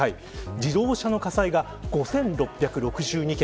自動車の火災が５６６２件。